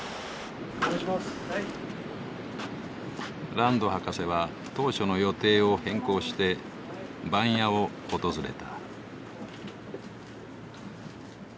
ランド博士は当初の予定を変更して番屋を訪れた。